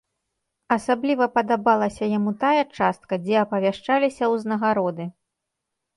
Асабліва падабалася яму тая частка, дзе апавяшчаліся ўзнагароды.